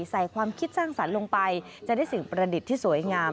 ความคิดสร้างสรรค์ลงไปจะได้สิ่งประดิษฐ์ที่สวยงาม